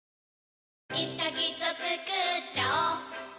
いつかきっとつくっちゃおう